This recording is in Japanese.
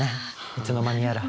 いつの間にやら。